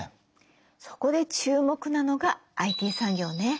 そこで注目なのがＩＴ産業ね。